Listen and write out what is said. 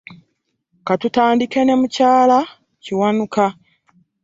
Ka tutandike ne mukyala Kiwanuka.